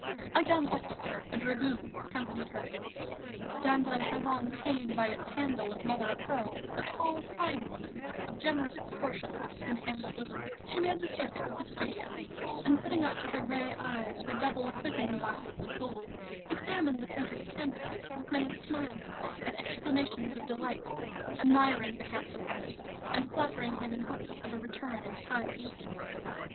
A young officer, a dragoon, accompanied her. Dandling her long cane by its handle of mother o' pearl, a tall, fine woman, of generous proportions and ample bosom, she made the circuit of the studio, and putting up to her grey eyes her double quizzing glasses of gold, examined the painter's canvases with many smiles and exclamations of delight, admiring the handsome artist and flattering him in hopes of a return in kind.